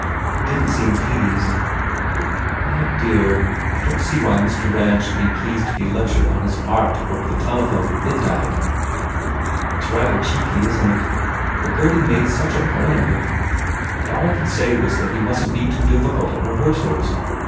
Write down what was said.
He didn t seem pleased." "My dear, I don t see why Mr. Rand should be pleased to be lectured on his art over the tele phone at midnight !" "It s rather cheeky, isn t it? But Gurdy made such a point of it. And all I could say was that he mustn t be too difficult at rehearsals.